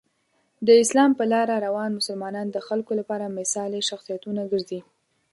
د اسلام په لاره روان مسلمانان د خلکو لپاره مثالي شخصیتونه ګرځي.